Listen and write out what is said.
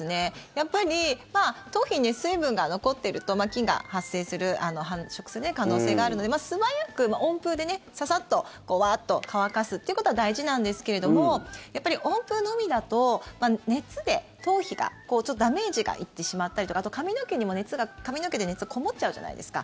やっぱり頭皮に水分が残ってると菌が発生する繁殖する可能性があるので素早く温風でササッと、ワーッと乾かすということが大事なんですけれども温風のみだと、熱で頭皮がダメージが行ってしまったりとかあと髪の毛で、熱がこもっちゃうじゃないですか。